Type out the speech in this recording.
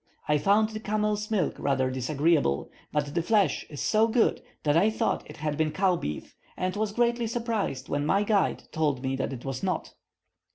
I found the camel's milk rather disagreeable, but the flesh is so good that I thought it had been cow beef, and was greatly surprised when my guide told me that it was not.